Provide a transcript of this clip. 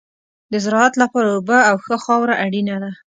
د زراعت لپاره اوبه او ښه خاوره اړینه ده.